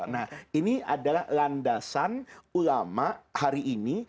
nah ini adalah landasan ulama hari ini